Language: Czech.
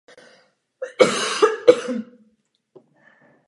Obdobný počet obyvatel měl i Babylón v pozdní době bronzové.